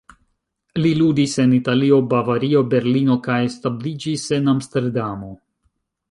Li ludis en Italio, Bavario, Berlino kaj establiĝis en Amsterdamo.